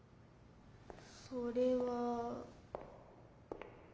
それは。